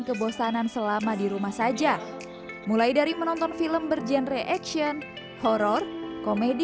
kebosanan selama di rumah saja mulai dari menonton film berjenre action horror komedi